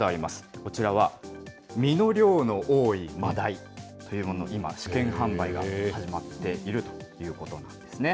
こちらは、身の量の多いマダイというもの、今、試験販売が始まっているということなんですね。